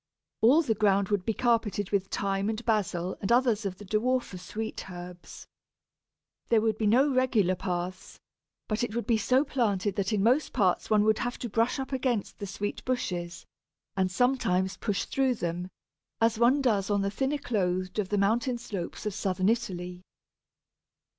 All the ground would be carpeted with Thyme and Basil and others of the dwarfer sweet herbs. There would be no regular paths, but it would be so planted that in most parts one would have to brush up against the sweet bushes, and sometimes push through them, as one does on the thinner clothed of the mountain slopes of southern Italy.